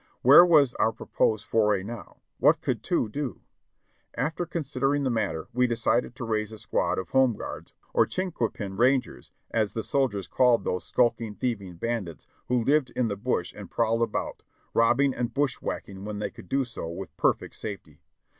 Where was our proposed foray now — what could two do? After considering the matter we decided to raise a squad of home guards, or "chinquapin rangers," as the soldiers called those skulking, thieving bandits who lived in the bush and prowled about, robbing and bushwhacking when they could do so with perfect safety.